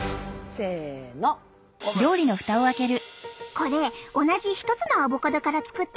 これ同じ一つのアボカドから作ったよ。